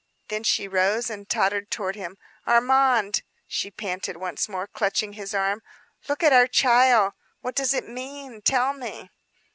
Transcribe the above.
Then she rose and tottered towards him. "Armand," she panted once more, clutching his arm, "look at our child. What does it mean? tell me."